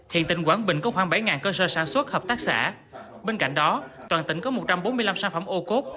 hiện tỉnh quảng bình có khoảng bảy cơ sở sản xuất hợp tác xã bên cạnh đó toàn tỉnh có một trăm bốn mươi năm sản phẩm ô cốt